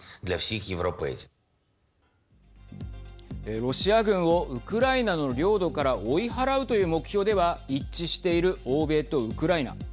ロシア軍をウクライナの領土から追い払うという目標では一致している欧米とウクライナ。